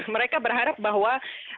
mereka berharap bahwa